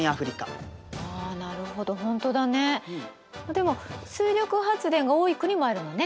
でも水力発電が多い国もあるのね。